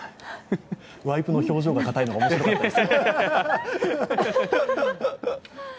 ワイプの表情が硬いのが面白かったです。